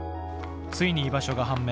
ついに居場所が判明。